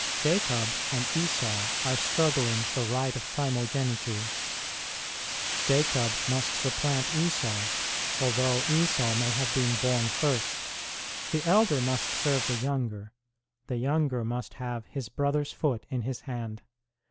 Jacob and Esau are struggling for right of primo geniture Jacob must supplant Esau, although Esau may have been born first ; the elder must serve the younger, the younger must have his brother s foot in his hand.